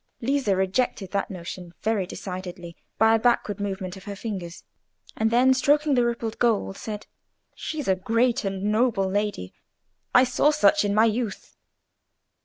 Lisa rejected that notion very decidedly by a backward movement of her fingers, and then stroking the rippled gold, said— "She's a great and noble lady. I saw such in my youth."